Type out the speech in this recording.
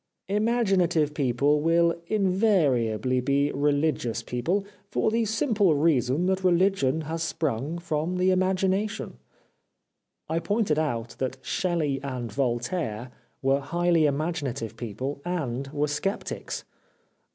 Imaginative people will invariably be 377 The Life of Oscar Wilde religious people for the simple reason that re ligion has sprung from the imagination.' " I pointed out that Shelley and Voltaire were highly imaginative people and were sceptics.